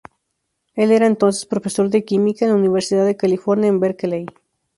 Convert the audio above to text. Él era entonces profesor de Química en la Universidad de California en Berkeley.